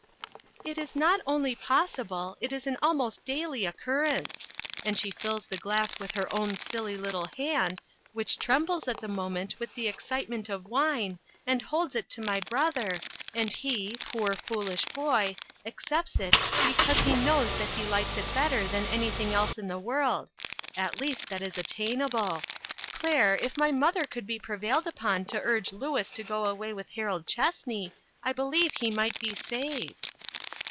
"It is not only possible, but is an almost daily occurrence. And she fills the glass with her own silly little hand, which trembles at the moment with the excitement of wine, and holds it to my brother, and he, poor, foolish boy ! accepts it because he knows that he likes it better than anything else in the world at least, that is attainable. Claire, if my mother could be prevailed upon to urge Louis to go away with Harold Chess ney, I believe he might be saved."